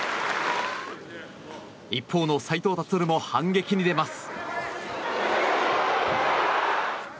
一方の斉藤立も反撃に出ます。